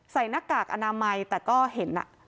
ใส่หน้ากากอนามัยแต่ก็เห็นอ่ะ